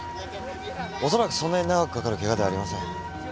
おそらくそんなに長くかかるケガではありません。